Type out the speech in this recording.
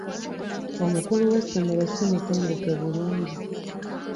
Omukulu w'essomero si mutendeke bulungi.